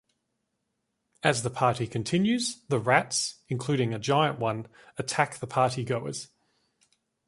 As the party continues, the rats, including a giant one, attack the party goers.